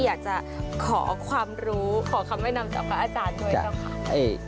อยากจะขอความรู้ขอคำแนะนำจากพระอาจารย์ด้วยเจ้าค่ะ